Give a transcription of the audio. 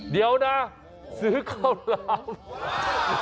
เดี๋ยวนะซื้อข้าวหลาม